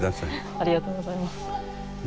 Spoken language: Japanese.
ありがとうございます。ね。